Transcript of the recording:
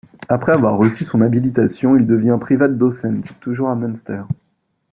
Après avoir reçu son habilitation, il devient Privat-docent toujours à Münster.